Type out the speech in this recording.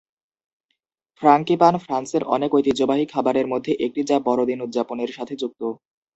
Frangipane ফ্রান্সের অনেক ঐতিহ্যবাহী খাবারের মধ্যে একটি যা বড়দিন উদযাপনের সাথে যুক্ত।